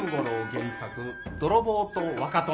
原作「泥棒と若殿」